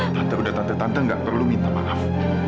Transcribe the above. tante udah tante tante nggak perlu minta maaf